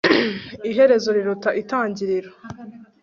iherezo riruta intangiriro